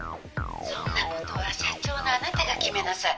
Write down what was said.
そんなことは社長のあなたが決めなさい。